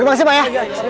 oke makasih pak ya